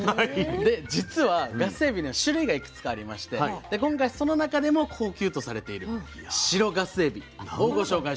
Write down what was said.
で実はガスエビには種類がいくつかありまして今回その中でも高級とされている白ガスエビをご紹介します。